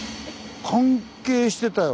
関係してたよ。